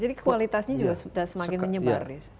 jadi kualitasnya juga sudah semakin menyebar